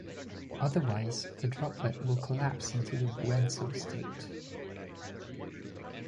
Otherwise, the droplet will collapse into the wenzel state.